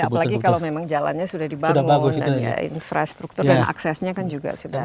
apalagi kalau memang jalannya sudah dibangun dan infrastruktur dan aksesnya kan juga sudah